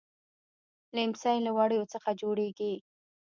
ليمڅی له وړيو څخه جوړيږي.